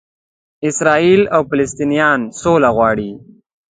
اسراییل او فلسطنینان سوله غواړي.